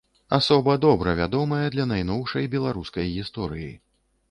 Асоба добра вядомая для найноўшай беларускай гісторыі.